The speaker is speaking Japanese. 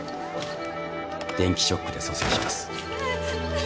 電気ショックで蘇生します。